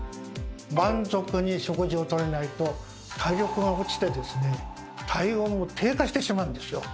満足に食事をとれないと体力が落ちてですね体温も低下してしまうんですよ。